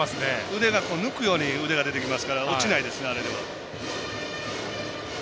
抜くように腕が出てきますから落ちないです、あれでは。